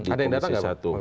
ada yang datang